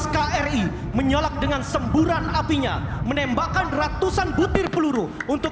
kri raden edi marta dinata